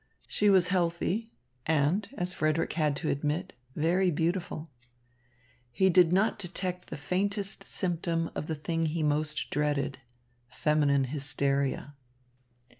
She was healthy and, as Frederick had to admit, very beautiful. He did not detect the faintest symptom of the thing he most dreaded, feminine hysteria.